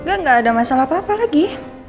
enggak enggak ada masalah apa apa lagi